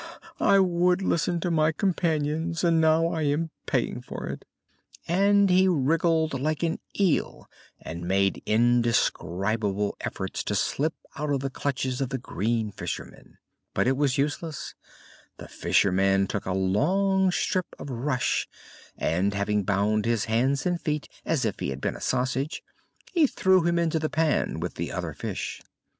I would listen to my companions and now I am paying for it." And he wriggled like an eel and made indescribable efforts to slip out of the clutches of the green fisherman. But it was useless: the fisherman took a long strip of rush and, having bound his hands and feet as if he had been a sausage, he threw him into the pan with the other fish.